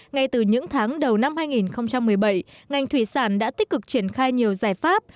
ngay từ những tháng đầu năm hai nghìn một mươi bảy ngành thủy sản đã tích cực triển khai nhiều giải pháp